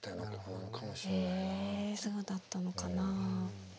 えそうだったのかなあ。